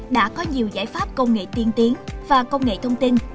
đã có nhiều giải pháp công nghệ tiên tiến và công nghệ thông tin